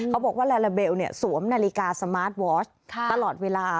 เขาบอกว่าลาลาเบลสวมนาฬิกาสมาร์ทวอชตลอดเวลา